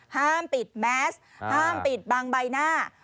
ห้ามปิดแมสห้ามปิดบางใบหน้า